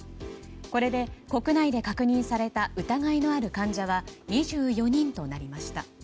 これで国内で確認された疑いのある患者は２４人となりました。